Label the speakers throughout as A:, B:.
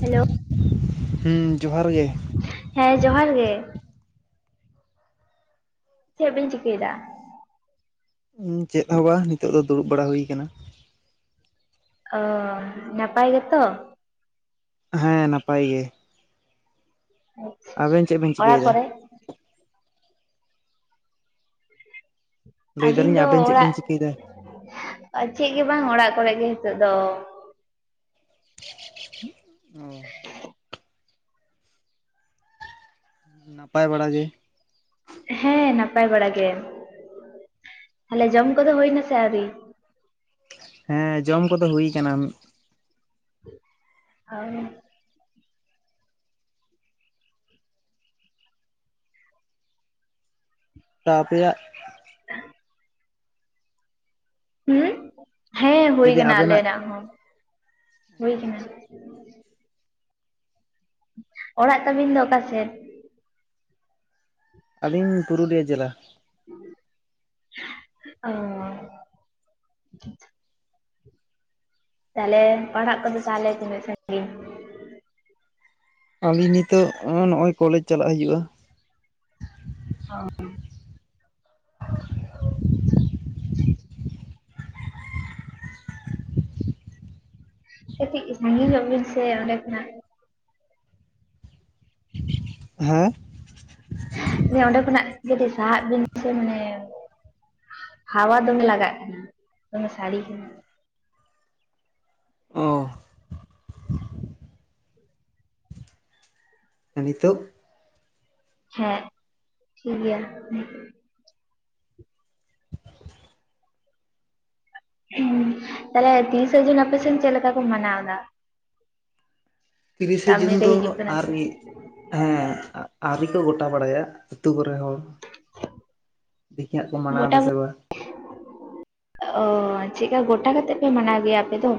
A: Hello
B: ᱦᱩ ᱡᱚᱦᱟᱨ ᱜᱮ᱾
A: ᱦᱮᱸ ᱡᱚᱦᱟᱨ ᱜᱮ᱾ ᱪᱮᱫ ᱵᱤᱧ‌ ᱪᱤᱠᱟᱹᱭᱮᱫᱟ?
B: ᱪᱮᱫ ᱦᱚᱸᱵᱟᱝ ᱱᱤᱛᱚᱜ ᱫᱚ ᱫᱩᱲᱩᱵ ᱵᱟᱲᱟ ᱦᱩᱭ ᱟᱠᱟᱱᱟ᱾
A: ᱚ ᱱᱟᱯᱟᱭ ᱜᱮᱛᱚ?
B: ᱦᱮᱸ ᱱᱟᱯᱟᱭ ᱜᱮ᱾
A: ᱦᱮ [unintelligible]
B: ᱟᱵᱮᱱ ᱪᱮᱫ ᱵᱮᱱ ᱪᱤᱠᱟᱹᱭᱮᱫᱟ? ᱞᱟᱹᱭ
A: ᱟᱹᱞᱤᱧ
B: ᱫᱟᱞᱤᱧ
A: ᱫᱚ
B: ᱟᱵᱮᱱ ᱪᱮᱫ
A: ᱚᱲᱟᱜ
B: ᱵᱮᱱ ᱪᱤᱠᱟᱹᱭ ᱫᱟ?
A: ᱪᱮᱫ ᱜᱮ ᱵᱟᱝ ᱚᱲᱟᱜ ᱠᱚ ᱨᱮ ᱜᱮ ᱦᱤᱛᱚᱜ ᱫᱚ
B: ᱚ
A: [inaudible]
B: ᱱᱟᱯᱟᱭ ᱵᱟᱲᱟᱟᱜ ᱜᱮ᱾
A: ᱦᱮᱸ ᱱᱟᱯᱟᱭ ᱵᱟᱲᱟ ᱜᱮ, ᱛᱟᱦᱚᱞᱮ ᱡᱚᱢ ᱠᱚᱫᱚ ᱦᱩᱭᱱᱟᱥᱮ ᱟᱹᱣᱨᱤ?
B: ᱦᱮᱸ ᱡᱚᱢ ᱠᱚᱫᱚ ᱦᱩᱭ ᱟᱠᱟᱱᱟ᱾
A: ᱟᱨ [inaudible]
B: ᱛᱟ ᱟᱯᱮᱭᱟᱜ
A: ᱦᱩᱸ ᱦᱮᱸ ᱦᱩᱭ
B: ᱡᱩᱫᱤ
A: ᱠᱟᱱᱟ
B: ᱟᱵᱮᱱᱟᱜ
A: ᱟᱞᱮᱱᱟᱜ ᱦᱚᱸ ᱦᱩᱭ ᱠᱟᱱᱟ᱾ ᱚᱲᱟᱜ ᱛᱟᱹᱵᱤᱱ ᱫᱚ ᱚᱠᱟ ᱥᱮᱫ?
B: ᱟᱞᱤᱧ ᱯᱩᱨᱩᱞᱤᱭᱟᱹ ᱡᱮᱞᱟ᱾
A: ᱚ [unintelligible] ᱛᱟᱦᱚᱞᱮ ᱯᱟᱲᱦᱟᱜ ᱠᱚᱫᱚ ᱛᱟᱦᱚᱞᱮ ᱛᱤᱱᱟᱹᱜ ᱥᱟᱺᱟᱜᱤᱧ?
B: ᱟᱹᱞᱤᱧ ᱱᱤᱛᱚᱜ ᱱᱚᱜᱼᱚᱭ ᱠᱚᱞᱮᱡᱽ ᱪᱟᱞᱟᱜ ᱦᱩᱭᱩᱜ-ᱟ
A: ᱚ
B: [inaudible]
A: [unintelligible] ᱠᱟᱴᱤᱡ ᱥᱟᱺᱜᱤᱧ ᱧᱚᱜ ᱵᱤᱱ ᱥᱮ ᱚᱱᱰᱮ ᱠᱷᱚᱱᱟᱜ
B: ᱦᱮ
A: ᱚᱰᱮ ᱠᱷᱚᱱᱟᱜ ᱠᱟᱹᱴᱤᱡ ᱥᱟᱦᱟᱜ ᱵᱤᱱ ᱥᱮ ᱢᱟᱱᱮ ᱦᱟᱣᱟ ᱫᱚᱢᱮ ᱞᱟᱜᱟᱜ ᱠᱟᱱᱟ ᱫᱚᱢᱮ ᱥᱟᱹᱲᱤ ᱠᱟᱱᱟ
B: ᱚ ᱟᱨ ᱱᱤᱛᱚᱜ
A: ᱦᱮᱸ ᱴᱷᱤᱠ ᱜᱮᱭᱟ ᱦᱮᱸ ᱛᱟᱦᱚᱞᱮ ᱛᱤᱨᱤᱥᱟ ᱡᱩᱱ ᱟᱯᱮ ᱥᱮᱫ ᱪᱮᱫ ᱞᱮᱠᱟ ᱠᱚ ᱢᱟᱱᱟᱣ ᱫᱟ
B: ᱛᱤᱨᱤᱥᱮ ᱡᱩᱱ
A: ᱥᱟᱢᱱᱮ ᱨᱮ
B: ᱫᱚ
A: ᱦᱤᱡᱩᱜ ᱠᱟᱱᱟ
B: ᱟᱨ
A: ᱥᱮ
B: ᱢᱤᱫ ᱦᱮᱸ ᱟᱣᱨᱤ ᱠᱚ ᱜᱚᱴᱟ ᱵᱟᱲᱟᱭᱟ ᱟ ᱟᱹᱛᱩ ᱠᱚ ᱨᱮ ᱦᱚᱸ ᱫᱤᱠᱷᱤ ᱦᱟᱸᱜ ᱠᱚ ᱢᱟᱱᱟᱣ
A: ᱜᱚᱴᱟ
B: ᱫᱟ ᱥᱮ ᱵᱟᱝ
A: ᱚ ᱪᱮᱫ ᱠᱟ ᱜᱚᱴᱟ ᱠᱟᱛᱮᱜ ᱯᱮ ᱢᱟᱱᱟᱣ ᱜᱮᱭᱟ ᱟᱯᱮ ᱫᱚ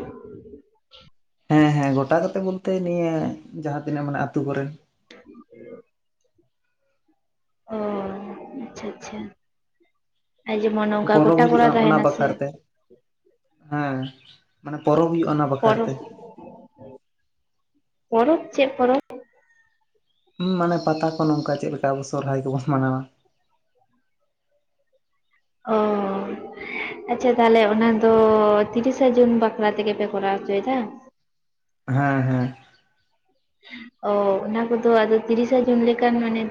B: ᱦᱮᱸ ᱦᱮᱸ ᱜᱚᱴᱟ ᱠᱟᱛᱮ ᱵᱚᱞᱛᱮ ᱱᱤᱭᱟᱹ ᱡᱟᱦᱟᱸ ᱛᱤᱱᱟᱹᱜ ᱢᱟᱱᱮ ᱟᱛᱳ ᱠᱚ ᱨᱮᱱ
A: [unintelligible] ᱚ ᱟᱪᱪᱷᱟ ᱟᱪᱷᱟ ᱟᱨ ᱡᱮᱢᱚᱱ ᱚᱱᱠᱟ
B: ᱯᱚᱨᱚᱵᱽ
A: ᱜᱚᱴᱟ ᱠᱚᱲᱟ
B: ᱦᱩᱭᱩᱜᱼᱟ ᱚᱱᱟ
A: ᱛᱟᱦᱮᱱᱟ ᱥᱮ
B: ᱵᱟᱠᱷᱨᱟ ᱛᱮ ᱦᱮᱸ ᱢᱟᱱᱮ ᱯᱚᱨᱚᱵᱽ ᱦᱩᱭᱩᱜ-ᱟ ᱚᱱᱟ ᱵᱟᱠᱷᱨᱟ
A: ᱯᱚᱨᱚᱵᱽ
B: ᱛᱮ
A: ᱯᱚᱨᱚᱵᱽ ᱪᱮᱫ ᱯᱚᱨᱚᱵᱽ
B: ᱢᱟᱱᱮ ᱯᱟᱛᱟ ᱠᱚ ᱱᱚᱝᱠᱟ ᱪᱮᱫ ᱞᱮᱠᱟ ᱟᱵᱚ ᱥᱚᱨᱦᱟᱭ ᱠᱚ ᱵᱚᱱ ᱢᱟᱱᱟᱣᱟ
A: [unintelligible] ᱚ ᱟᱪᱪᱷᱟ ᱛᱟᱦᱞᱮ ᱚᱱᱟ ᱫᱚ ᱛᱤᱨᱤᱥᱟ ᱡᱩᱱ ᱵᱟᱠᱷᱨᱟ ᱛᱮ ᱜᱮ ᱯᱮ ᱠᱚᱨᱟᱣ ᱦᱚᱪᱚᱭᱮᱫᱟ
B: ᱦᱮᱸ ᱦᱮᱸ
A: ᱚ ᱚᱱᱟ ᱠᱚᱫᱚ ᱟᱫᱚ ᱛᱤᱨᱤᱥᱟ ᱡᱩᱱ ᱞᱮᱠᱟᱱ ᱢᱟᱱᱮ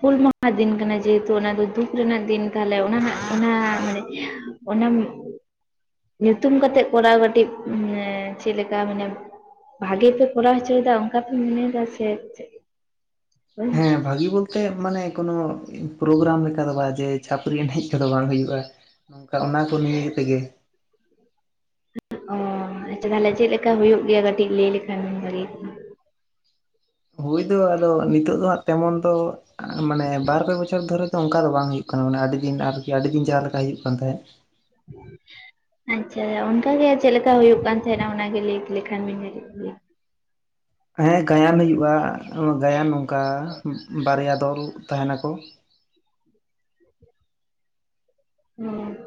A: ᱦᱩᱞ ᱢᱟᱦᱟ ᱫᱤᱱ ᱠᱟᱱᱟ ᱡᱮᱦᱮᱛᱩ ᱚᱱᱟ ᱫᱚ ᱫᱩᱠ ᱨᱮᱱᱟᱜ ᱫᱤᱱ ᱛᱟᱦᱚᱞᱮ ᱚᱱᱟ ᱨᱮᱱᱟᱜ ᱚᱱᱟ ᱢᱟᱱᱮ ᱚᱱᱟ ᱧᱩᱛᱩᱢ ᱠᱟᱛᱮᱜ ᱠᱚᱨᱟᱣ ᱠᱟᱹᱴᱤᱡ ᱪᱮᱫ ᱞᱮᱠᱟ ᱢᱟᱱᱮ ᱵᱷᱟᱜᱤ ᱯᱮ ᱠᱚᱨᱟᱣ ᱦᱚᱪᱚᱭ ᱫᱟ ᱚᱱᱠᱟ ᱯᱮ ᱢᱚᱱᱮᱭᱮ ᱫᱟ ᱥᱮ ᱪᱮᱫ?
B: ᱦᱮᱸ ᱵᱷᱟᱹᱜᱤ ᱵᱚᱞ ᱮᱜ ᱢᱟᱱᱮ ᱠᱳᱱᱳ ᱯᱨᱳᱜᱨᱟᱢ ᱞᱮᱠᱟ ᱫᱚ ᱵᱟᱝ ᱡᱮ ᱪᱷᱟᱯᱨᱤ ᱮᱱᱮᱡ ᱠᱚᱫᱚ ᱵᱟᱝ ᱦᱩᱭᱩᱜ-ᱟ᱾ ᱱᱚᱝᱠᱟ ᱚᱱᱟ ᱠᱚ ᱱᱤᱭᱮ ᱛᱮ ᱜᱮ
A: ᱚ ᱟᱪᱪᱷᱟ ᱛᱟᱦᱞᱮ ᱪᱮᱫ ᱞᱮᱠᱟ ᱦᱩᱭᱩᱜ ᱜᱮᱭᱟ ᱠᱟᱹᱴᱤᱡ ᱞᱟᱹᱭ ᱞᱮᱠᱷᱟᱱ ᱵᱤᱱ ᱵᱷᱟᱹᱜᱤ ᱠᱚᱜᱼᱟ
B: ᱦᱩᱭ ᱫᱚ ᱟᱫᱚ ᱱᱤᱛᱚᱜ ᱫᱚ ᱦᱟᱜ ᱛᱮᱢᱚᱱ ᱫᱚ ᱢᱟᱱᱮ ᱵᱟᱨ ᱯᱮ ᱵᱚᱪᱷᱚᱨ ᱫᱷᱚᱨᱮ ᱚᱱᱠᱟ ᱫᱚ ᱵᱟᱝ ᱦᱩᱭᱩᱜ ᱠᱟᱱᱟ ᱢᱟᱱᱮ ᱟᱹᱰᱤ ᱫᱤᱱ ᱟᱨ ᱠᱤ ᱟᱰᱤ ᱫᱤᱱ ᱡᱟᱦᱟ ᱞᱮᱠᱟ ᱦᱩᱭᱩᱜ ᱠᱟᱱ ᱛᱟᱦᱮᱫ᱾
A: [inaudible] ᱟᱪᱪᱷᱟ ᱚᱱᱠᱟ ᱜᱮ ᱪᱮᱫ ᱞᱮᱠᱟ ᱦᱩᱭᱩᱜ ᱠᱟᱱ ᱛᱟᱦᱮᱸᱱᱟ ᱚᱱᱟ ᱜᱮ ᱞᱟᱹᱭ ᱞᱮᱠᱷᱟᱱ ᱵᱤᱱ ᱵᱷᱟᱹᱜᱤ ᱠᱚᱜᱼᱟ
B: ᱦᱮᱸ ᱜᱟᱭᱟᱱ ᱦᱩᱭᱩᱜ-ᱟ ᱜᱟᱭᱟᱱ ᱱᱚᱝᱠᱟ ᱵᱟᱨᱭᱟ ᱫᱚᱞ ᱛᱟᱦᱮ ᱱᱟᱠᱚ
A: ᱦᱚᱸ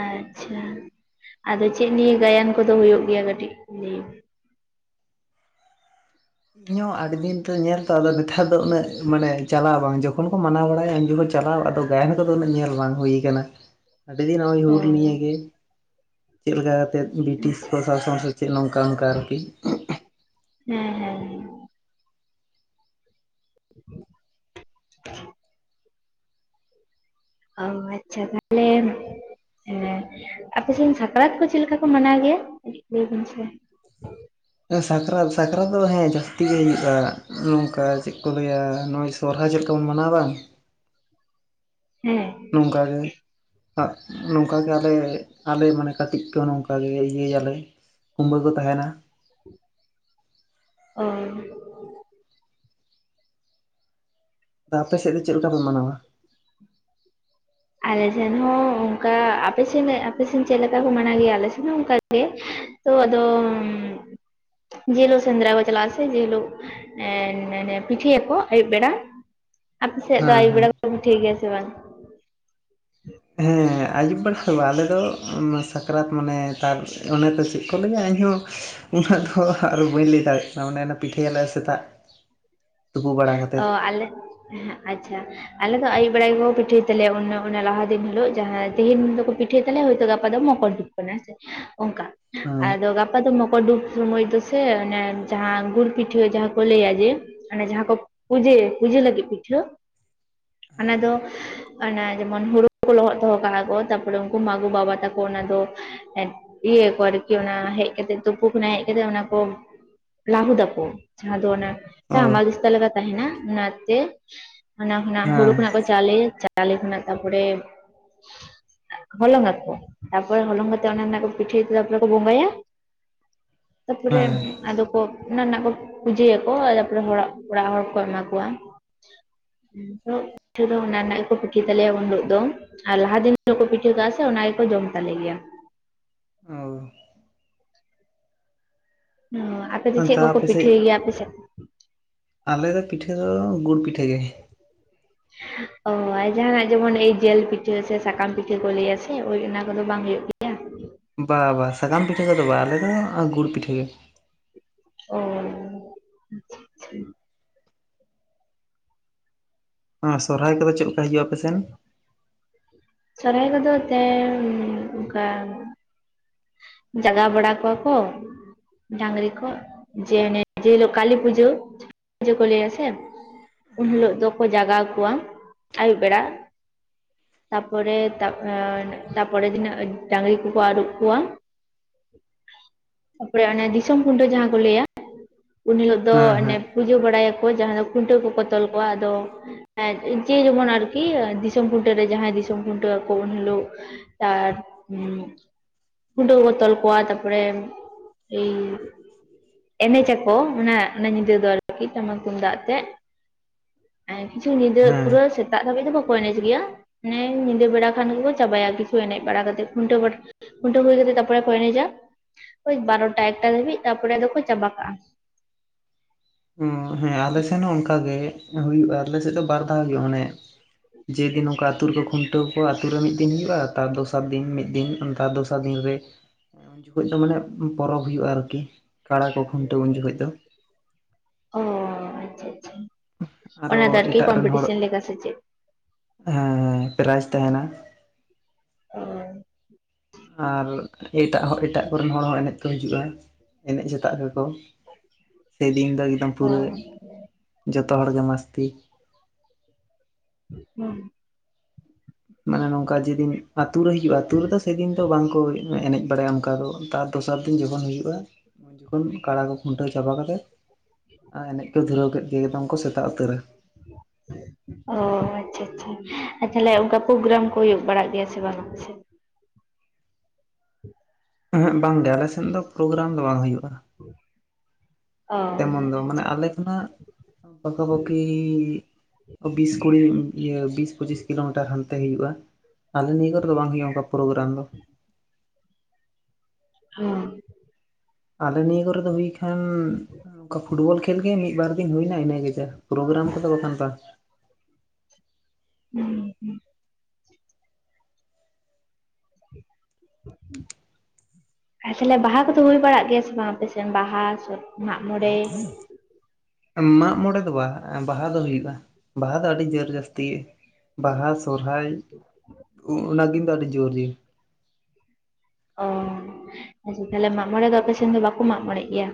A: ᱟᱪᱪᱷᱟ ᱟᱫᱚ ᱪᱮᱫ ᱱᱤᱭᱟᱹ ᱜᱟᱭᱟᱱ ᱠᱚ ᱫᱚ ᱦᱳᱭᱳᱜ ᱜᱮᱭᱟ ᱠᱟᱹᱴᱤᱡ? ᱞᱟᱹᱭ
B: ᱤᱧ ᱦᱚᱸ ᱟᱹᱰᱤ ᱫᱤᱱ ᱛᱮ ᱧᱮᱞ ᱛᱚ ᱟᱫᱚ ᱱᱮᱛᱟᱨ ᱫᱚ ᱩᱱᱟᱹᱜ ᱢᱟᱱᱮ ᱪᱟᱞᱟᱣ ᱵᱟᱝ ᱡᱚᱠᱷᱚᱱ ᱠᱚ ᱢᱟᱱᱟᱣ ᱵᱟᱲᱟᱭ-ᱟ ᱩᱱ ᱡᱚᱠᱷᱚᱡ ᱪᱟᱞᱟᱣ ᱟᱫᱚ ᱜᱟᱭᱟᱱ ᱠᱚ ᱫᱚ ᱩᱱᱟᱹᱜ ᱧᱮᱞ ᱵᱟᱝ ᱦᱩᱭ ᱠᱟᱱᱟ ᱟᱰᱤ ᱫᱤᱱ ᱱᱚᱜᱚᱭ ᱦᱩᱞ ᱱᱤᱭᱟᱹ
A: ᱚ
B: ᱜᱮ ᱪᱮᱫ ᱞᱮᱠᱟ ᱠᱟᱛᱮᱫ?
A: ᱦᱮᱸ
B: ᱵᱨᱤᱴᱤᱥ ᱠᱚ ᱥᱟᱥᱚᱱ ᱥᱮ ᱪᱮᱫ ᱱᱚᱝᱠᱟ ᱚᱱᱠᱟ ᱟᱨ ᱠᱤ
A: ᱦᱮᱸ ᱦᱮᱸᱸ [unintelligible] ᱚ ᱟᱪᱷᱟ ᱛᱟᱦᱮᱞᱮ ᱦᱮᱸ ᱟᱯᱮ ᱥᱮᱫ ᱥᱟᱠᱨᱟᱛ ᱠᱚ ᱪᱮᱜ ᱞᱮᱠᱟ ᱠᱚ ᱢᱟᱱᱟᱣ ᱜᱮᱭᱟ? ᱞᱟᱹᱭᱵᱤᱱ ᱥᱮ᱾
B: ᱥᱟᱠᱨᱟᱛ ᱥᱟᱠᱨᱟᱛ ᱦᱮᱸ ᱡᱟᱹᱥᱛᱤ ᱜᱮ ᱦᱩᱭᱩᱜᱼᱟ ᱱᱚᱝᱠᱟ ᱪᱮᱜ ᱠᱚ ᱞᱟᱹᱭᱟ ᱱᱚ ᱥᱚᱨᱦᱟᱭ ᱪᱮᱜ ᱞᱮᱠᱟᱢ ᱵᱚᱱ ᱢᱟᱱᱟᱣ ᱫᱟ
A: ᱦᱮᱸ
B: ᱱᱚᱝᱠᱟ ᱜᱮ᱾ ᱟᱜ ᱱᱚᱝᱠᱟ ᱜᱮ ᱟᱞᱮ ᱟᱞᱮ ᱢᱟᱱᱮ ᱠᱟᱹᱴᱤᱡ ᱠᱚ ᱱᱚᱝᱠᱟ ᱜᱮ ᱤᱭᱟᱹᱭᱟᱞᱮ ᱠᱩᱢᱵᱟᱹ ᱠᱚ ᱛᱟᱦᱮᱱᱟ᱾
A: ᱟᱨ
B: ᱟᱫᱚ ᱟᱯᱮ ᱥᱮᱜ ᱫᱚ ᱪᱮᱜ ᱞᱮᱠᱟ ᱯᱮ ᱢᱟᱱᱟᱣᱟ?
A: ᱟᱞᱮ ᱥᱮᱱ ᱦᱚᱸ ᱚᱝᱠᱟ ᱟᱯᱮ ᱥᱮᱱ ᱟᱯᱮ ᱥᱮᱱ ᱪᱮᱫ ᱞᱮᱠᱟ ᱠᱚ ᱢᱟᱱᱟᱣ ᱜᱮᱭᱟ ᱟᱞᱮ ᱥᱮᱱ ᱦᱚᱸ ᱚᱝᱠᱟ ᱜᱮ᱾ ᱛᱚ ᱟᱫᱚ ᱡᱮᱞᱳᱜ ᱥᱮᱸᱫᱽᱨᱟ ᱠᱚ ᱪᱟᱞᱟᱜᱼᱟ ᱥᱮ ᱡᱮᱞᱳᱜ ᱮᱸ ᱱᱮᱱᱮ ᱯᱤᱴᱷᱟᱹᱭᱟᱠᱚ ᱟᱹᱭᱩᱵ ᱵᱮᱲᱟ ᱟᱯᱮ ᱥᱮᱫ ᱫᱚ
B: ᱦᱮᱸ
A: ᱟᱹᱭᱩᱵ
B: ᱦᱮᱸ
A: ᱵᱮᱲᱟ ᱠᱚ ᱯᱤᱴᱷᱟᱹᱭ ᱜᱮᱭᱟ ᱥᱮ ᱵᱟᱝ?
B: ᱦᱮᱸ ᱟᱹᱭᱩᱵ ᱵᱮᱲᱟ ᱫᱚ ᱵᱟᱝ ᱟᱞᱮ ᱫᱚ ᱥᱟᱠᱨᱟᱛ ᱢᱟᱱᱮ ᱛᱟᱨ ᱚᱱᱮ ᱛᱚ ᱪᱮᱜ ᱠᱚ ᱞᱟᱹᱭᱟ ᱤᱧᱦᱚᱸ ᱩᱱᱟᱹᱜ ᱫᱷᱚ ᱟᱨ ᱵᱟᱹᱧ ᱞᱟᱹᱭ ᱫᱟᱲᱮᱜ ᱠᱟᱱᱟ ᱚᱱᱮ ᱚᱱᱮ ᱯᱤᱴᱷᱟᱹᱭᱟᱞᱮ ᱥᱮᱛᱟᱜ᱾ ᱛᱩᱯᱩ ᱵᱟᱲᱟ
A: ᱚ
B: ᱠᱟᱛᱮᱫ
A: ᱟᱞᱮ ᱟᱪᱷᱟ ᱟᱞᱮ ᱫᱚ ᱟᱭᱩᱵ ᱵᱮᱲᱟ ᱜᱮᱠᱚ ᱯᱤᱴᱷᱟᱹᱭ ᱛᱟᱞᱮᱭᱟ ᱚᱱᱮ ᱚᱱᱮ ᱞᱟᱦᱟ ᱫᱤᱱ ᱦᱤᱞᱳᱜ ᱡᱟᱦᱟᱸ ᱛᱮᱦᱮᱧ ᱫᱚᱠᱚ ᱯᱤᱴᱷᱟᱹᱭ ᱛᱟᱞᱭᱟ ᱦᱚᱭ ᱛᱚ ᱜᱟᱯᱟ ᱫᱚ ᱢᱚᱠᱚᱨ [unintelligible] ᱚᱝᱠᱟ
B: ᱦᱮᱸ
A: ᱟᱫᱚ ᱜᱟᱯ ᱯᱟ ᱫᱚ ᱢᱚᱠᱚᱨ ᱰᱩᱵ ᱥᱳᱢᱚᱭ ᱫᱚᱥᱮ ᱚᱱᱮ ᱡᱟᱦᱟᱸ ᱜᱩᱲ ᱯᱤᱴᱷᱟᱹ ᱡᱟᱦᱟᱸ ᱠᱚ ᱞᱟᱹᱭᱟ ᱡᱮ ᱢᱟᱱᱮ ᱡᱟᱦᱟᱸ ᱠᱚ ᱯᱩᱡᱟᱹᱭ ᱯᱩᱡᱟᱹ ᱞᱟᱹᱜᱤᱜ ᱯᱤᱴᱷᱟᱹ ᱚᱱᱟ
B: ᱦᱮᱸ
A: ᱫᱚ ᱚᱱᱟ ᱡᱮᱢᱚᱱ ᱦᱩᱲᱩ ᱠᱩ ᱞᱚᱦᱚᱫ ᱫᱚᱦᱚ ᱠᱟᱜᱼᱟ ᱠᱚ, ᱛᱟᱯᱚᱨᱮ ᱩᱝᱠᱩ ᱢᱟᱜᱩ ᱵᱟᱵᱟ ᱛᱟᱠᱚ ᱚᱱᱟ ᱫᱚ ᱮᱠ ᱤᱭᱟᱹᱭᱟᱠᱚ ᱟᱨᱠᱤ ᱚᱱᱟ ᱦᱮᱡ ᱠᱟᱛᱮᱜ ᱛᱩᱯᱩ ᱠᱷᱚᱱᱟᱜ ᱦᱮᱡ ᱠᱟᱛᱮᱜ ᱚᱱᱟ ᱠᱚ ᱞᱟᱹᱦᱩᱫᱟᱠᱚ ᱡᱟᱦᱟᱸ ᱫᱚ ᱚᱱᱟ
B: ᱚ
A: ᱦᱟᱢᱟᱞ ᱫᱤᱥᱛᱟ ᱞᱮᱠᱟ ᱛᱟᱦᱮᱱᱟ ᱚᱱᱟᱛᱮ ᱚᱱᱟ ᱠᱷᱚᱱᱟᱜ ᱦᱩᱲᱩ
B: ᱦᱮᱸ
A: ᱠᱷᱚᱱᱟᱜ ᱠᱚ ᱪᱟᱣᱞᱮ ᱪᱟᱣᱞᱮ ᱠᱷᱚᱱᱟᱜ ᱛᱟᱯᱚᱲᱮ ᱦᱚᱞᱚᱝᱟ ᱠᱚ ᱛᱟᱯᱚᱨ ᱦᱚᱞᱚᱝ ᱠᱟᱛᱮᱜ ᱚᱱᱟ ᱨᱮᱱᱟᱜ ᱯᱤᱴᱟᱹᱭ ᱛᱮ ᱛᱟᱯᱚᱨᱮ ᱠᱚ ᱵᱚᱸᱜᱟᱭᱟ᱾ ᱛᱟᱯᱚᱨᱮ
B: ᱦᱮᱸ
A: ᱟᱫᱚ ᱠᱚ ᱚᱱᱟ ᱨᱮᱱᱟᱜ ᱠᱚ ᱯᱩᱡᱟᱹᱭᱟᱠᱚ ᱟᱫᱚ ᱨᱚᱦᱚᱲᱟᱜ ᱚᱲᱟᱜ ᱦᱚᱲ ᱠᱚ ᱮᱢᱟ ᱠᱚᱣᱟ᱾ ᱯᱤᱴᱷᱟᱹ ᱫᱚ ᱚᱱᱟ ᱨᱮᱱᱟᱜ ᱜᱮᱠᱚ ᱯᱤᱴᱷᱟᱹᱭ ᱛᱟᱞᱮᱭᱟ ᱩᱱ ᱦᱤᱞᱳᱜ ᱫᱚ᱾ ᱟᱨ ᱞᱟᱦᱟ ᱫᱤᱱ ᱦᱤᱞᱳᱜ ᱠᱚ ᱯᱤᱴᱷᱟᱹ ᱠᱟᱜᱼᱟ ᱥᱮ ᱚᱱᱟ ᱜᱮᱠᱚ ᱡᱚᱢ ᱛᱟᱞᱮ ᱜᱮᱭᱟ᱾
B: [unintelligible]
A: ᱦᱩ ᱟᱠ
B: ᱟᱫᱟ ᱟᱯᱮᱥᱮᱡ ᱟᱞᱮ ᱫᱚ ᱯᱤᱴᱷᱟᱹ ᱫᱚ ᱜᱩᱲ ᱯᱤᱴᱷᱟᱹ ᱜᱮ᱾
A: ᱚ ᱡᱟᱦᱱᱟᱜ ᱡᱮᱢᱚᱱ ᱮᱭ ᱡᱮᱞ ᱯᱤᱴᱷᱟᱹ ᱥᱮ ᱥᱟᱠᱟᱢ ᱯᱤᱴᱷᱟᱹ ᱠᱚ ᱞᱟᱹᱭᱟ ᱥᱮ ᱳᱭ ᱚᱱᱟ ᱠᱚᱫᱚ ᱵᱟᱝ ᱦᱩᱭᱩᱜᱮ [inaudible]
B: ᱵᱟ ᱵᱟ ᱥᱟᱠᱟᱢ ᱯᱤᱴᱷᱟᱹ ᱠᱚᱫᱚ ᱵᱟ ᱟᱞᱮᱫᱚ ᱜᱩᱲ ᱯᱤᱴᱷᱟᱹ ᱜᱮ᱾
A: ᱚ
B: ᱟᱨ ᱥᱚᱨᱦᱟᱭ ᱠᱚᱫᱚ ᱪᱮᱜ ᱞᱮᱠᱟ ᱦᱤᱡᱩᱜᱼᱟ ᱯᱮᱥᱮᱱ?
A: ᱥᱚᱨᱦᱟᱭ ᱠᱚᱫᱚ ᱛᱮᱻ ᱚᱝᱠᱟ ᱡᱟᱜᱟᱣ ᱵᱟᱲᱟ ᱠᱚᱣᱟ ᱠᱚ ᱰᱟᱝᱨᱤ ᱠᱚ ᱡᱮ ᱚᱱᱮ ᱡᱮ ᱦᱤᱞᱚᱜ ᱠᱟᱞᱤ ᱯᱩᱡᱟᱹ ᱡᱟᱹ ᱠᱚ ᱞᱟᱹᱭᱟᱥᱮ ᱩᱱ
B: ᱦᱮᱸ
A: ᱦᱤᱞᱚᱜ ᱫᱚᱠᱚ ᱡᱟᱜᱟᱣ ᱠᱚᱣᱟ ᱟᱹᱭᱩᱵ ᱵᱮᱲᱟ᱾ ᱛᱟᱯᱚᱨᱮ ᱛᱟᱯ ᱮᱸ ᱛᱟᱯᱚᱲᱮ ᱫᱤᱱᱚᱜ ᱰᱟᱝᱨᱤ ᱠᱚᱠᱚ ᱟᱹᱨᱩᱵ ᱠᱚᱣᱟ᱾ ᱛᱟᱯᱚᱰᱮ ᱚᱱᱮ ᱫᱤᱥᱚᱢ ᱠᱷᱩᱱᱴᱟᱹᱣ ᱡᱟᱦᱟᱸ ᱠᱚ ᱞᱟᱹᱭᱟ ᱩᱱ ᱦᱤᱞᱳᱜ ᱫᱚ
B: ᱦᱮᱸ
A: ᱚᱱᱮ ᱯᱩᱡᱟᱹ ᱵᱟᱲᱟᱭᱟᱠᱚ ᱡᱟᱦᱟᱸ ᱫᱚ ᱠᱷᱩᱱᱴᱟᱹᱣ ᱠᱚᱠᱚ ᱛᱚᱞ ᱠᱚᱣᱟ ᱟᱫᱚ ᱦᱮᱸ ᱡᱮ ᱡᱮᱢᱚᱱ ᱟᱨᱠᱤ ᱫᱤᱥᱚᱢ ᱠᱷᱩᱱᱴᱟᱹᱣ ᱨᱮ ᱡᱟᱦᱟᱸᱭ ᱫᱤᱥ ᱡᱮᱢᱚᱱ ᱠᱷᱩᱱᱴᱟᱹᱣᱠᱷᱚᱱ ᱦᱤᱞᱳᱜ ᱛᱟᱨ ᱠᱷᱩᱱᱰᱟᱹᱣ ᱠᱚ ᱛᱚᱞ ᱠᱚᱣᱟ ᱛᱟᱯᱚᱨᱮ ᱮᱭ ᱮᱱᱮᱡ ᱟᱠᱚ ᱢᱟᱱᱮ ᱚᱱᱟ ᱧᱤᱫᱟᱹ ᱫᱚ ᱟᱨᱠᱤ ᱴᱟᱢᱟᱠ ᱛᱩᱢᱫᱟᱜ ᱛᱮ ᱠᱤᱪᱷᱩ ᱧᱤᱫᱟᱹ
B: ᱦᱮᱸ
A: ᱯᱩᱨᱟᱹ ᱥᱮᱛᱟᱜ ᱫᱷᱟᱹᱵᱤᱡ ᱫᱚ ᱵᱟᱠᱚ ᱮᱱᱮᱡ ᱜᱮᱭᱟ ᱾ ᱦᱮᱸ ᱧᱤᱫᱟᱹ ᱵᱮᱲᱟ ᱠᱷᱟᱱ ᱜᱮ ᱠᱚ ᱪᱟᱵᱟᱭᱟ ᱠᱤᱪᱷᱩ ᱮᱱᱮᱡ ᱵᱟᱲᱟ ᱠᱟᱛᱮ ᱠᱷᱩᱱᱴᱟᱹᱣ ᱵᱟᱲᱟ ᱠᱷᱩᱱᱴᱟᱹᱣ ᱦᱩᱭ ᱠᱟᱛᱮ ᱛᱟᱨᱯᱚᱨᱮ ᱮᱱᱮᱡᱟ ᱳᱭ ᱵᱟᱨᱚᱴᱟ ᱮᱠᱴᱟ ᱫᱷᱟᱹᱵᱤᱡ ᱛᱟᱨᱯᱚᱨᱮ ᱟᱫᱚ ᱠᱚ ᱪᱟᱵᱟ ᱠᱟᱜᱼᱟ᱾
B: ᱦᱮᱸ ᱟᱞᱮ ᱥᱮᱱ ᱦᱚᱸ ᱚᱱᱠᱟ ᱜᱮ ᱦᱩᱭᱩᱜᱼᱟ ᱟᱞᱮ ᱥᱮᱫ ᱫᱚ ᱵᱟᱨ ᱫᱷᱟᱣ ᱦᱩᱭᱩᱜᱼᱟ ᱢᱟᱱᱮ ᱡᱮ ᱫᱤᱱ ᱱᱚᱝᱠᱟ ᱟᱛᱩ ᱨᱮ ᱠᱚ ᱠᱷᱩᱱᱴᱟᱹᱣ ᱠᱚᱣᱟ ᱟᱛᱩ ᱨᱮ ᱢᱤᱫᱤᱱ ᱦᱩᱭᱩᱜᱳᱜᱼᱟ ᱛᱟᱨ ᱫᱚᱥᱟᱨ ᱫᱤᱱ ᱢᱤᱫ ᱫᱤᱱ ᱚᱱᱠᱟ ᱫᱚᱥ ᱵᱚᱥᱟ ᱫᱤᱱ ᱨᱮ ᱩᱱ ᱡᱚᱠᱷᱚᱡ ᱫᱚ ᱢᱟᱱᱮ ᱯᱚᱨᱚᱵᱽ ᱦᱩᱭᱩᱜᱼᱟ ᱟᱨᱠᱤ ᱠᱟᱲᱟ ᱠᱚ ᱠᱷᱩᱱᱴᱟᱹᱣ ᱩᱱ ᱡᱚᱠᱷᱚᱱ ᱫᱚ
A: ᱚ ᱟᱪᱪᱷᱟ ᱟᱪᱪᱷᱟ
B: ᱟᱨᱚ
A: ᱚᱱᱟ ᱫᱚ ᱟᱨᱠᱤ ᱠᱚᱢᱯᱤᱴᱤᱥᱚᱱ ᱞᱮᱠᱟ ᱥᱮ ᱪᱮᱫ?
B: ᱦᱮᱸ ᱯᱨᱟᱭᱤᱡᱽ ᱛᱟᱦᱮᱱᱟ ᱾
A: ᱳᱭ
B: ᱟᱨ ᱮᱴᱟᱜ ᱮᱴᱟᱜ ᱠᱚ ᱨᱮᱱ ᱦᱚᱲ ᱦᱚᱸ ᱮᱱᱮᱡ ᱠᱚ ᱦᱤᱡᱩᱜᱼᱟ ᱾ ᱮᱱᱮᱡ ᱥᱮᱛᱟᱜ ᱜᱮ ᱠᱚ ᱥᱮᱫᱤᱱ ᱫᱚ ᱮᱠᱫᱚᱢ
A: ᱚ
B: ᱯᱩᱨᱟ ᱡᱚᱛᱚ ᱦᱚᱲ ᱜᱮ ᱢᱟᱥᱛᱤ
A: ᱦᱩᱸ
B: ᱢᱟᱱᱮ ᱱᱚᱝᱠᱟ ᱡᱮᱫᱤᱱ ᱟᱛᱩ ᱨᱮ ᱦᱩᱭᱩᱜᱼᱟ ᱟᱛᱩ ᱨᱮ ᱫᱚ ᱥᱮ ᱫᱤᱱ ᱫᱚ ᱵᱟᱝᱠᱚ ᱮᱱᱮᱡ ᱵᱟᱲᱟᱭᱟ ᱚᱱᱠᱟ ᱫᱚ ᱾ ᱛᱟᱨ ᱫᱚᱥᱟᱨ ᱫᱤᱱ ᱡᱚᱠᱷᱚᱱ ᱦᱩᱭᱩᱜᱼᱟ ᱩᱱ ᱡᱚᱠᱷᱚᱱ ᱠᱟᱲᱟ ᱠᱚ ᱠᱷᱩᱱᱴᱟᱹᱣ ᱪᱟᱵᱟ ᱠᱟᱛᱮᱜ ᱟᱨ ᱮᱱᱮᱡ ᱠᱚ ᱫᱷᱩᱨᱟᱹᱣ ᱠᱮᱫ ᱜᱮ ᱮᱠᱫᱚᱢ ᱠᱚ ᱥᱮᱛᱟᱜ ᱩᱛᱟᱹᱨᱟ
A: ᱚ ᱟᱪᱪᱷᱟ ᱟᱪᱪᱷᱟ ᱾ ᱟᱨ ᱛᱟᱦᱚᱞᱮ ᱚᱱᱠᱟ ᱯᱨᱳᱜᱨᱟᱢ ᱠᱚ ᱦᱩᱭᱩᱜ ᱵᱟᱲᱟ ᱜᱮᱭᱟ ᱥᱮ ᱵᱟᱝᱼᱟ ᱟᱯᱮ ᱥᱮᱫ?
B: ᱩᱦᱩᱸ ᱵᱟᱝ ᱜᱮ ᱟᱞᱮ ᱥᱮᱫ ᱫᱚ ᱯᱨᱳᱜᱨᱟᱢ ᱫᱚ ᱵᱟᱝ ᱦᱩᱭᱩᱜᱼᱟ᱾
A: [inaudible]
B: ᱛᱮᱢᱚᱱ ᱫᱚ ᱢᱟᱱᱮ ᱟᱞᱮ ᱠᱷᱚᱱᱟᱜ ᱯᱟᱠᱟᱼᱯᱟᱠᱤ ᱵᱤᱥ ᱠᱩᱲᱤ ᱤᱭᱟᱹ ᱵᱤᱥ ᱯᱚᱸᱪᱤᱥ ᱠᱤᱞᱳᱢᱤᱴᱟᱨ ᱦᱟᱱᱛᱮ ᱦᱩᱭᱩᱜᱼᱟ᱾ ᱟᱞᱮ ᱱᱤᱭᱟᱹ ᱠᱚᱨᱮ ᱫᱚ ᱵᱟᱝ ᱦᱩᱭᱩᱜᱼᱟ ᱚᱱᱠᱟ ᱯᱨᱳᱜᱨᱟᱢ ᱫᱚ᱾
A: ᱚ
B: ᱟᱞᱮ ᱱᱤᱭᱟᱹ ᱠᱚᱨᱮ ᱫᱚ ᱦᱩᱭ ᱠᱷᱟᱱ ᱱᱚᱝᱠᱟ ᱯᱷᱩᱴᱵᱚᱞ ᱠᱷᱮᱞ ᱜᱮ ᱢᱤᱫᱵᱟᱨ ᱤᱱ ᱦᱩᱭᱱᱟ ᱤᱱᱟᱹᱜᱮ ᱡᱟ ᱯᱨᱳᱜᱨᱟᱢ ᱠᱚᱫᱚ ᱵᱟᱝᱠᱷᱟᱱ ᱵᱟ
A: ᱦᱩᱸ ᱦᱩᱸ ᱾ [inaudible] ᱦᱩᱸ ᱟᱨ ᱛᱟᱦᱚᱞᱮ ᱵᱟᱦᱟ ᱠᱚᱫᱚ ᱦᱩᱭ ᱵᱟᱲᱟᱜ ᱜᱮᱭᱟ ᱥᱮ ᱵᱟᱝ ᱟᱯᱮ ᱥᱮᱫ ᱵᱟᱦᱟ ᱢᱟᱜᱽ ᱢᱚᱬᱮ
B: ᱢᱟᱜᱽ ᱢᱚᱬᱮ ᱫᱚ ᱵᱟ ᱾ᱵᱟᱦᱟ ᱫᱚ ᱦᱩᱭᱩᱜᱼᱟ ᱵᱟᱦᱟ ᱫᱚ ᱟᱹᱰᱤ ᱡᱳᱨ ᱡᱟᱹᱥᱛᱤ ᱾ ᱵᱟᱦᱟ ᱥᱚᱨᱦᱟᱭ ᱚᱱᱟ ᱠᱤᱱ ᱫᱚ ᱟᱹᱰᱤ ᱡᱳᱨ ᱜᱮ᱾
A: ᱚ ᱟᱪᱪᱷᱟ ᱛᱟᱦᱞᱮ ᱢᱟᱜᱽ ᱢᱚᱬᱮ ᱫᱚ ᱟᱯᱮ ᱥᱮᱫ ᱫᱚ ᱵᱟᱠᱚ ᱢᱟᱜᱽ ᱢᱚᱬᱮᱜ ᱜᱮᱭᱟ?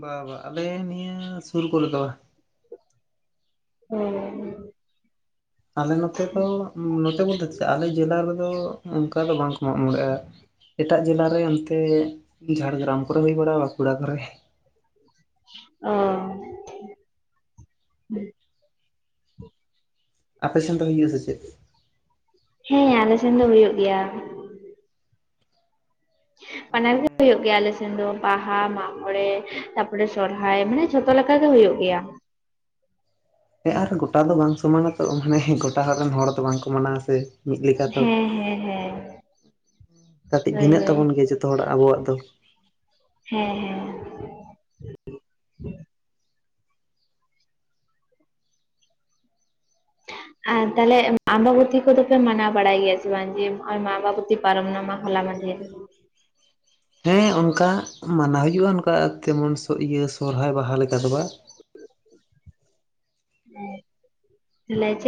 B: ᱵᱟ ᱵᱟᱝ ᱟᱞᱮ ᱱᱤᱭᱟᱹ ᱥᱩᱨ ᱠᱚᱨᱮ ᱫᱚ ᱵᱟ ᱾
A: ᱦᱳᱭ ᱾
B: ᱟᱞᱮ ᱱᱚᱛᱮ ᱫᱚ ᱱᱚᱛᱮ ᱵᱚᱞ ᱛᱮ ᱪᱮ ᱟᱞᱮ ᱡᱮᱞᱟ ᱨᱮᱫᱚ ᱚᱱᱠᱟ ᱫᱚ ᱵᱟᱝᱠᱚ ᱢᱟᱜ ᱢᱚᱬᱮᱜᱼᱟ ᱾ ᱮᱴᱟᱜ ᱡᱮᱞᱟ ᱚᱱᱛᱮ ᱡᱷᱟᱲᱜᱨᱟᱢ ᱠᱚᱨᱮ ᱦᱩᱭ ᱵᱟᱲᱟᱜᱼᱟ ᱵᱟᱸᱠᱩᱲᱟ ᱠᱚᱨᱮ
A: ᱚ
B: ᱟᱯᱮ ᱥᱮᱱ ᱦᱩᱭᱩᱜᱼᱟ ᱥᱮ ᱪᱮ?
A: ᱦᱮᱸ ᱟᱞᱮ ᱥᱮᱱ ᱫᱚ ᱦᱳᱭᱳᱜ ᱜᱮᱭᱟ ᱵᱟᱱᱟᱨ ᱜᱮ ᱦᱳᱭᱳᱜ ᱜᱮᱭᱟ ᱟᱞᱮ ᱥᱮᱱ ᱫᱚ ᱵᱟᱦᱟ ᱢᱟᱜ ᱢᱚᱬᱮ ᱛᱟᱯᱚᱨᱮ ᱥᱚᱨᱦᱟᱭ ᱢᱟᱱᱮ ᱡᱷᱚᱛᱚ ᱞᱮᱠᱟ ᱜᱮ ᱦᱳᱭᱳᱜ ᱜᱮᱭᱟ
B: ᱦᱮᱸ ᱟᱨ ᱜᱚᱴᱟ ᱫᱚ ᱵᱟᱝ ᱥᱚᱢᱟᱱᱟ ᱛᱚ ᱢᱟᱱᱮ ᱜᱚᱴᱟ ᱦᱚᱲ ᱨᱮᱱ ᱦᱚᱲ ᱫᱚ ᱵᱟᱝᱠᱚ ᱢᱟᱱᱟᱣᱟ ᱥᱮ ᱢᱤᱫ ᱞᱮᱠᱟ ᱛᱚ
A: ᱦᱮᱸ ᱦᱮᱸ ᱦᱮᱸ
B: ᱠᱟᱹᱴᱤᱡ
A: ᱦᱳᱭ
B: ᱵᱷᱤᱱᱟᱹᱜ
A: ᱦᱳᱭ
B: ᱛᱟᱵᱚᱱ ᱜᱮᱭᱟ ᱡᱚᱛᱚ ᱦᱚᱲᱟᱜ ᱟᱵᱚᱣᱟᱜ ᱫᱚ
A: ᱦᱮᱸ ᱦᱮᱸ ᱟᱨ ᱛᱟᱦᱞᱮ ᱟᱢᱵᱟᱵᱚᱛᱤ ᱠᱚᱫᱚ ᱯᱮ ᱢᱟᱱᱟᱣ ᱵᱟᱲᱟᱭ ᱜᱮᱭᱟ ᱥᱮ ᱵᱟᱝ ᱡᱮ ᱟᱢᱵᱟᱵᱚᱛᱤ ᱯᱟᱨᱢᱟ ᱢᱟ ᱠᱷᱚᱱ ᱦᱚᱞᱟ ᱢᱟᱱᱫᱽᱦᱮᱨ
B: ᱦᱮᱸ ᱚᱱᱠᱟ ᱢᱟᱱᱟᱣ ᱦᱩᱭᱩᱜᱼᱟ ᱚᱱᱠᱟ ᱛᱮᱢᱚᱱ ᱤᱭᱟᱹ ᱥᱚᱨᱦᱟᱭ ᱵᱟᱦᱟ ᱞᱮᱠᱟ ᱫᱚ ᱵᱟᱝ ᱾
A: [unintelligible] ᱦᱮᱸ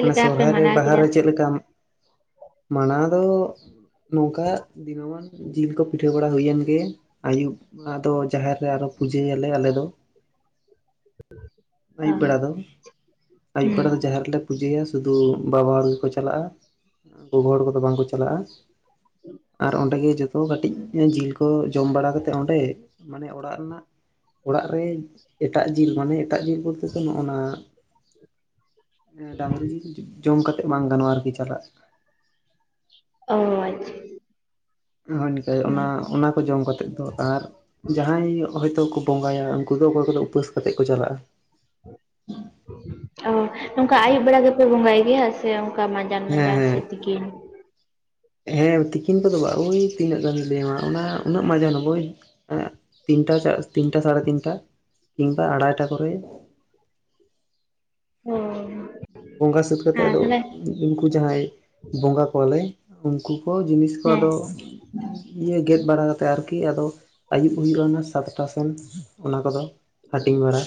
B: ᱢᱟᱱᱮ ᱥᱚᱨᱦᱟᱭ ᱨᱮ ᱵᱟᱦᱟ ᱨᱮ ᱪᱮᱫ ᱞᱮᱠᱟ? ᱢᱟᱱᱟ ᱫᱚ ᱱᱚᱝᱠᱟ ᱫᱤᱱᱟᱹᱢᱟᱱ ᱡᱤᱞ ᱠᱚ ᱯᱤᱴᱷᱟᱹ ᱵᱟᱲᱟ ᱦᱳᱭᱮᱱ ᱜᱮ ᱟᱹᱭᱩᱵ ᱟᱫᱚ ᱡᱟᱦᱮᱨ ᱛᱮ ᱟᱨᱚ ᱯᱩᱡᱟᱹᱭ ᱜᱮᱭᱟᱞᱮ ᱟᱞᱮ ᱫᱚ
A: ᱚ
B: ᱟᱹᱭᱩᱵ ᱵᱮᱲᱟ ᱫᱚ ᱟᱹᱭᱩᱵ
A: ᱦᱩᱸ
B: ᱵᱮᱲᱟ ᱫᱚ ᱡᱟᱦᱮᱨ ᱨᱮᱞᱮ ᱯᱩᱡᱟᱹᱭᱟ ᱥᱩᱫᱷᱩ ᱵᱟᱵᱟ ᱦᱚᱲ ᱜᱮᱠᱚ ᱪᱟᱞᱟᱜᱼᱟ ᱜᱚᱜᱚ ᱦᱚᱲ ᱠᱚᱫᱚ ᱵᱟᱝᱠᱚ ᱪᱟᱞᱟᱜᱼᱟ ᱟᱨ ᱚᱸᱰᱮ ᱜᱮ ᱡᱚᱛᱚ ᱠᱟᱹᱴᱤᱡ ᱡᱤᱞ ᱠᱚ ᱡᱚᱢ ᱵᱟᱲᱟ ᱠᱟᱛᱮ ᱚᱸᱰᱮ ᱢᱟᱱᱮ ᱚᱲᱟᱜ ᱨᱮᱱᱟᱜ ᱚᱲᱟᱜ ᱨᱮ ᱮᱴᱟᱜ ᱡᱤᱞ ᱢᱟᱱᱮ ᱮᱴᱟᱜ ᱡᱤᱞ ᱵᱚᱞᱛᱮ ᱫᱚ ᱱᱚᱜᱼᱚᱱᱟ ᱰᱟᱝᱨᱤ ᱡᱤᱞ ᱡᱚᱢ ᱠᱟᱛᱮᱜ ᱵᱟᱝ ᱜᱟᱱᱚᱜᱼᱟ ᱟᱨᱠᱤ ᱪᱟᱞᱟᱜ
A: ᱚᱻ ᱟᱪᱪᱷᱟ,
B: ᱱᱚᱜᱼᱚᱭ ᱱᱤᱛᱟᱹᱜ ᱚᱱᱟ
A: ᱦᱮᱸ
B: ᱚᱱᱟᱠᱚ ᱡᱚᱢ ᱠᱟᱛᱮᱫ ᱫᱚ ᱟᱨ ᱡᱟᱦᱟᱸᱭ ᱦᱚᱭᱛᱚ ᱠᱚ ᱵᱚᱸᱜᱟᱭᱟ, ᱩᱱᱠᱩ ᱫᱚ ᱚᱠᱚᱭ ᱠᱚᱫᱚ ᱩᱯᱟᱹᱥ ᱠᱟᱛᱮᱜ ᱠᱚ ᱪᱟᱞᱟᱜᱼᱟ᱾
A: ᱚ ᱱᱚᱝᱠᱟ ᱟᱹᱭᱩᱵ ᱵᱮᱲᱟ ᱜᱮᱯᱮ ᱵᱚᱸᱜᱟᱭ ᱜᱮᱭᱟ ᱥᱮ ᱚᱝᱠᱟ ᱢᱟ
B: ᱦᱮᱸ ᱦᱮᱸ, ᱦᱮᱸ ᱛᱤᱠᱤᱱ ᱠᱚᱫᱚ ᱵᱟᱝ ᱳᱭ ᱛᱤᱱᱟᱹᱜ ᱜᱟᱱᱤᱧ ᱞᱟᱹᱭᱟᱹᱢᱟ ᱚᱱᱟ ᱩᱱᱟᱹᱜ ᱢᱟᱡᱟᱱ ᱦᱚᱸ ᱵᱳᱭ ᱮᱜ ᱛᱤᱱᱴᱟ ᱥᱟ ᱛᱤᱱᱴᱟ ᱥᱟᱲᱮ ᱛᱤᱱᱴᱟ ᱠᱤᱝᱵᱟ ᱟᱲᱟᱭᱴᱟ ᱠᱚᱨᱮ
A: ᱚᱻ
B: ᱵᱚᱸᱜᱟ ᱥᱟᱹᱛ ᱠᱟᱛᱮᱜ ᱟᱫᱚ ᱩᱱᱠᱩ ᱡᱟᱦᱟᱸᱭ ᱵᱚᱸᱜᱟ ᱠᱚᱣᱟᱞᱮ ᱩᱱᱠᱩ ᱠᱚ ᱡᱤᱱᱤᱥ ᱠᱚ
A: ᱦᱮᱸ
B: ᱟᱫᱚ ᱤᱭᱟᱹ ᱜᱮᱫ ᱵᱟᱲᱟ ᱠᱟᱛᱮᱜ ᱟᱨᱠᱤ ᱟᱫᱚ ᱟᱹᱭᱩᱵ ᱦᱩᱭᱩᱜᱼᱟ ᱥᱟᱛᱴᱟ ᱥᱮᱱ ᱚᱱᱟ ᱠᱚᱫᱚ ᱦᱟᱴᱤᱝ ᱵᱟᱲᱟ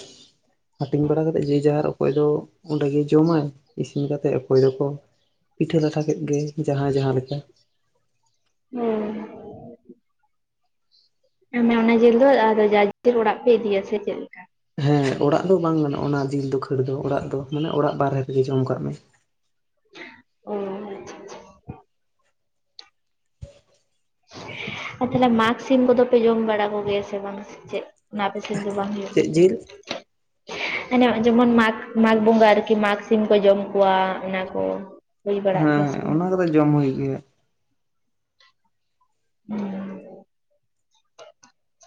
B: ᱦᱟᱹᱴᱤᱝ ᱵᱟᱲᱟ ᱠᱟᱛᱮᱜ ᱡᱮ ᱡᱟᱦᱟᱨ ᱚᱠᱚᱭ ᱫᱚ ᱚᱸᱰᱮᱜᱮ ᱡᱚᱢᱟᱭ ᱤᱥᱤᱱ ᱠᱟᱛᱮᱜ ᱚᱠᱚᱭ ᱫᱚᱠᱚ ᱯᱤᱴᱷᱟᱹ ᱞᱟᱴᱷᱟ ᱠᱮᱫ ᱜᱮ ᱡᱟᱦᱟᱸᱭ ᱡᱟᱦᱟᱸ ᱞᱮᱠᱟ
A: [unintelligible] ᱚᱱᱟ ᱚᱱᱟ ᱡᱤᱞ ᱫᱚ ᱟᱫᱚ ᱡᱟ ᱡᱤᱞ ᱚᱲᱟᱜ ᱯᱮ ᱤᱫᱤᱭᱟ ᱥᱮ ᱪᱮᱜ ᱠᱟ?
B: ᱦᱮᱸ, ᱚᱲᱟᱜ ᱫᱚ ᱵᱟᱝ ᱜᱟᱱᱚᱜᱼᱟ ᱚᱱᱟ ᱡᱤᱞ ᱫᱚ ᱠᱷᱟᱹᱲ ᱫᱚ᱾ ᱚᱲᱟᱜ ᱫᱚ ᱢᱟᱱᱮ ᱚᱲᱟᱜ ᱵᱟᱨᱦᱮ ᱨᱮᱜᱮ ᱡᱚᱢ ᱠᱟᱜ ᱢᱮ᱾
A: ᱳ ᱟᱨ ᱛᱟᱦᱚᱞᱮ ᱢᱟᱜᱽ ᱥᱤᱢ ᱠᱚᱫᱚᱯᱮ ᱡᱚᱢ ᱵᱟᱲᱟ ᱠᱚᱜᱮᱭᱟ ᱥᱮ ᱵᱟᱝ ᱪᱮᱜ? ᱚᱱᱟ ᱟᱯᱮ ᱥᱮᱱ ᱫᱚ ᱵᱟᱝ ᱦᱳᱭᱳᱜ
B: ᱪᱮᱫ ᱡᱤᱞ
A: [unintelligible] ᱟᱱᱮ ᱡᱮᱢᱚᱱ ᱢᱟᱜᱽ ᱢᱟᱜᱽ ᱵᱚᱸᱜᱟ ᱟᱨᱠᱤ ᱢᱟᱜᱽ ᱥᱤᱢ ᱠᱚ ᱡᱚᱢ ᱠᱚᱣᱟ, ᱚᱱᱟ ᱠᱚ ᱾ ᱦᱳᱭ ᱵᱟᱲᱟᱜ
B: ᱦᱮᱸ
A: ᱜᱤᱭᱟ ᱥᱮ ᱵᱟᱝ?
B: ᱚᱱᱟ ᱠᱚᱫᱚ ᱡᱚᱢ ᱦᱳᱭᱳᱜ ᱜᱮ
A: [inaudible]